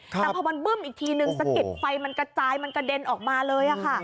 แต่พอมันบึ้มอีกทีนึงสะเก็ดไฟมันกระจายมันกระเด็นออกมาเลยค่ะ